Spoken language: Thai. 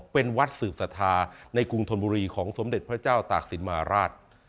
เป็นวัดสืบศรัทธาในกรุงธนบุรีของสมเด็จพระเจ้าตากศิลปราช